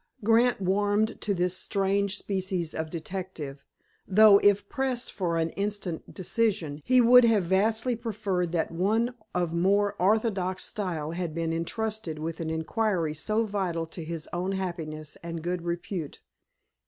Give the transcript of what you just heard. Grant warmed to this strange species of detective, though, if pressed for an instant decision, he would vastly have preferred that one of more orthodox style had been intrusted with an inquiry so vital to his own happiness and good repute.